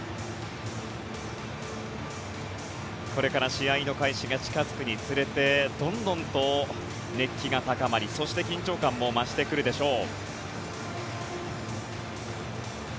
これから試合の開始が近付くにつれてどんどんと熱気が高まりそして、緊張感も増してくるでしょう。